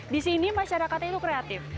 di sini masyarakatnya itu kreatif